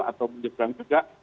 atau menyebrang juga